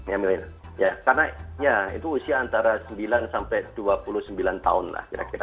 emilin ya karena ya itu usia antara sembilan sampai dua puluh sembilan tahun lah kira kira